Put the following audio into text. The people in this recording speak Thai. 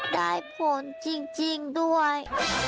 ได้ผลจริงด้วย